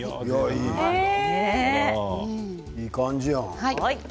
いい感じやん。